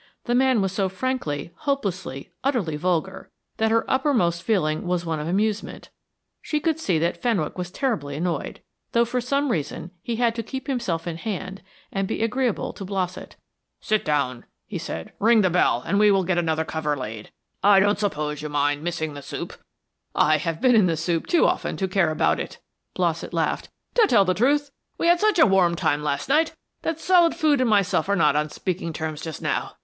The man was so frankly, hopelessly, utterly vulgar that her uppermost feeling was one of amusement. She could see that Fenwick was terribly annoyed, though for some reason he had to keep himself in hand and be agreeable to Blossett. "Sit down," he said. "Ring the bell, and we will get another cover laid. I don't suppose you mind missing the soup." "I have been in the soup too often to care about it," Blossett laughed. "To tell the truth, we had such a warm time last night that solid food and myself are not on speaking terms just now.